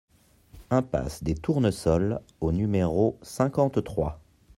IMPASSE DES TOURNESOLS au numéro cinquante-trois